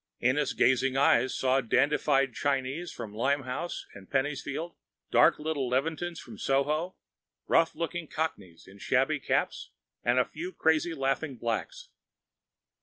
Ennis' glazed eyes saw dandified Chinese from Limehouse and Pennyfields, dark little Levantins from Soho, rough looking Cockneys in shabby caps, a few crazily laughing blacks.